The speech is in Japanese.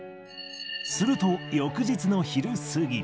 すると、翌日の昼過ぎ。